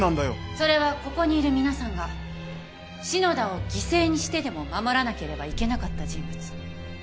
それはここにいる皆さんが篠田を犠牲にしてでも守らなければいけなかった人物。